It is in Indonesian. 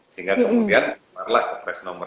sehingga kemudian kemudian ke press nomor delapan puluh dua